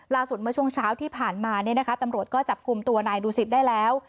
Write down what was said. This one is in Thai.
ละสุดเมื่อช่วงเช้าที่ผ่านมาตำรวจก็จับกลุ่มตัวนายดูสิทธิ์ได้แล้ว